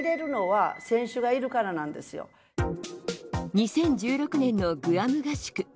２０１６年のグアム合宿。